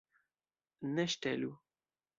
Ne ŝtelu.